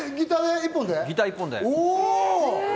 ギター１本で。